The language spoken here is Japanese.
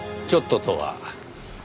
「ちょっと」とは？